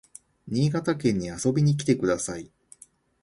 新潟県に遊びに来てください